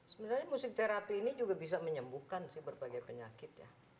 sebenarnya musik terapi ini juga bisa menyembuhkan berbagai penyakit